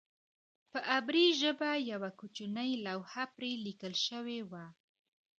په عبري ژبه یوه کوچنۍ لوحه پرې لیکل شوې وه.